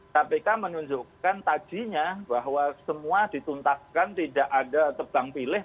kpk menunjukkan tadinya bahwa semua dituntaskan tidak ada tebang pilih